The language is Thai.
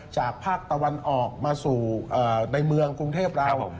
ภาคตะวันออกมาสู่ในเมืองกรุงเทพเรา